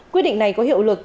quy định này có hiệu lực